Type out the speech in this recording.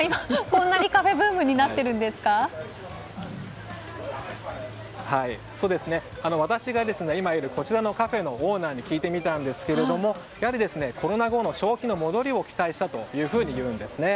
こんなにカフェブームに私が今いるこちらのカフェのオーナーに聞いてみたんですけどやはり、コロナ後の消費の戻りを期待したというんです。